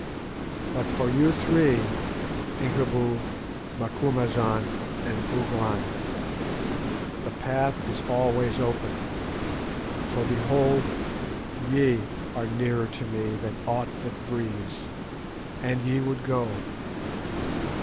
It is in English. But for you three, Incubu, Macumazahn, and Bougwan, the path is always open; for, behold, ye are dearer to me than aught that breathes. "And ye would go.